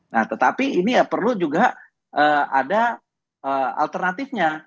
nah tetapi ini ya perlu juga ada alternatifnya